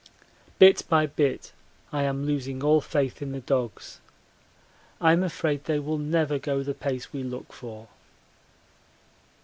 Bit by bit I am losing all faith in the dogs I'm afraid they will never go the pace we look for.